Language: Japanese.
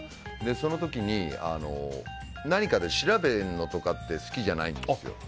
その時に何かで調べるのとかって好きじゃないんですよ。